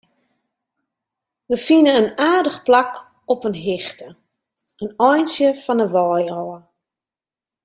Wy fine in aardich plak op in hichte, in eintsje fan 'e wei ôf.